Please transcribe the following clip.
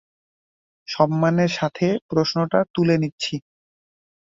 সম্মানের সাথে প্রশ্নটা তুলে নিচ্ছি।